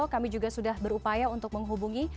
kami juga sudah berupaya untuk menghubungi